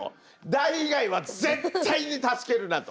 「Ｄｉｅ」以外は絶対に助けるなと。